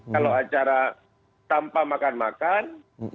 kalau acara tanpa makan makan